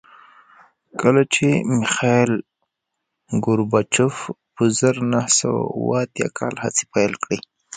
کله چې میخایل ګورباچوف په زر نه سوه اووه اتیا کال هڅې پیل کړې